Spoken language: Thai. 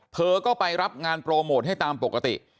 เธอก็ไปรับงานโปรโมทให้ตามปกติ